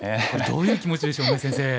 どういう気持ちでしょうね先生。